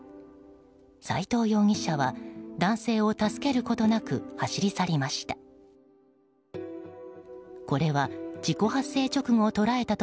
斎藤容疑者は男性を助けることなく走り去りました。